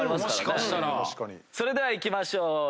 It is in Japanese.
それではいきましょう。